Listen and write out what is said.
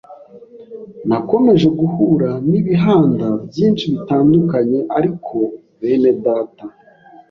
Nakomeje guhura n’ibihanda byinshi bitandukanye ariko bene data